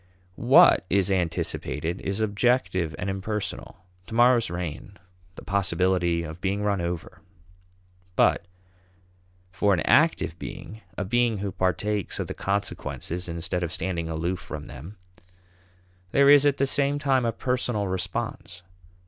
What is anticipated is objective and impersonal; to morrow's rain; the possibility of being run over. But for an active being, a being who partakes of the consequences instead of standing aloof from them, there is at the same time a personal response.